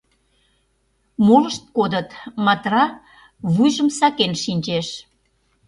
Молышт кодыт Матра вуйжым сакен шинчеш.